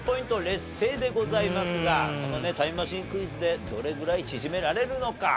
劣勢でございますがこのタイムマシンクイズでどれぐらい縮められるのか？